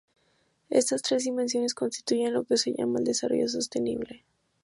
Estas tres dimensiones constituyen lo que se llama el desarrollo sostenible.